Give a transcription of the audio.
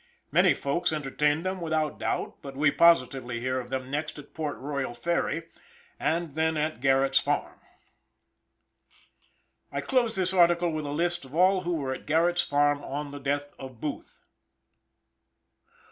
Many folks entertained them without doubt, but we positively hear of them next at Port Royal Ferry, and then at Garrett's farm. I close this article with a list of all who were at Garrett's farm on the death of Booth.